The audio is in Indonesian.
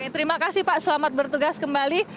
terima kasih pak selamat bertugas kembali